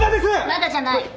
まだじゃない。